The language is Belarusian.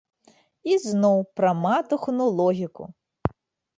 І зноў пра матухну логіку.